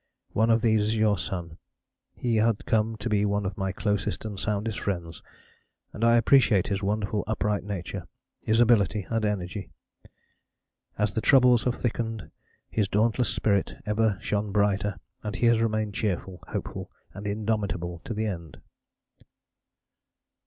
One of these is your son. He had come to be one of my closest and soundest friends, and I appreciate his wonderful upright nature, his ability and energy. As the troubles have thickened his dauntless spirit ever shone brighter and he has remained cheerful, hopeful and indomitable to the end....